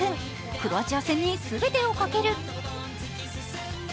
クロアチア戦に全てをかける。